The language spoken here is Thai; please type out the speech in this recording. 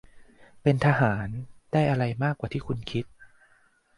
เป็นทหาร ได้อะไร มากกว่าที่คุณคิด